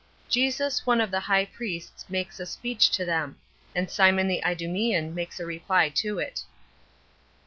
Jesus One Of The High Priests Makes A Speech To Them; And Simon The Idumean Makes A Reply To It.